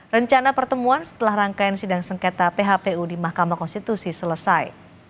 rencana pertemuan setelah rangkaian sidang sengketa phpu di mahkamah konstitusi selesai